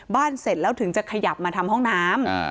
เสร็จแล้วถึงจะขยับมาทำห้องน้ำ